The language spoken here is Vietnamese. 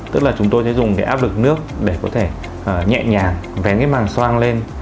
tức là chúng tôi sẽ dùng cái áp lực nước để có thể nhẹ nhàng vén cái màng xoang lên